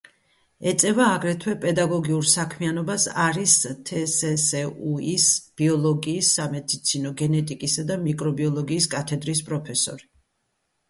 ეწევა აგრეთვე პედაგოგიურ საქმიანობას, არის თსსუ-ის ბიოლოგიის, სამედიცინო გენეტიკისა და მიკრობიოლოგიის კათედრის პროფესორი.